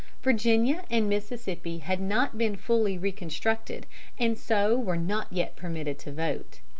Virginia and Mississippi had not been fully reconstructed, and so were not yet permitted to vote.